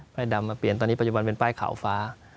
ดำมาเปลี่ยนตอนนี้ปัจจุบันเป็นป้ายขาวฟ้า